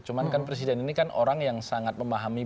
cuma kan presiden ini orang yang sangat memahami